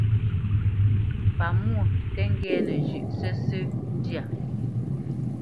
Pámwô tǝ́ ŋgɛ́nǝ zhʉ̌ʼ sǝ́sǝ̂ ndyâ.